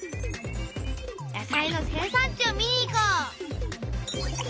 野菜の生産地を見に行こう！